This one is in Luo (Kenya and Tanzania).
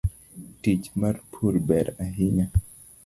Tich mar pur ber hainya.